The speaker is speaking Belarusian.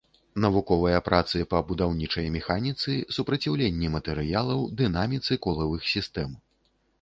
Навуковыя працы па будаўнічай механіцы, супраціўленні матэрыялаў, дынаміцы колавых сістэм.